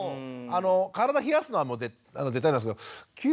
体冷やすのは絶対なんですけど救急車